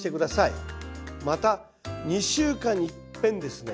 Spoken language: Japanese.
また２週間にいっぺんですね